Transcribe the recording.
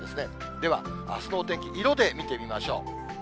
では、あすのお天気、色で見てみましょう。